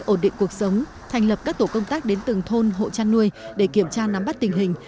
ổn định cuộc sống thành lập các tổ công tác đến từng thôn hộ chăn nuôi để kiểm tra nắm bắt tình hình